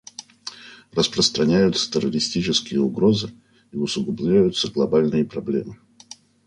Распространяются террористические угрозы и усугубляются глобальные проблемы.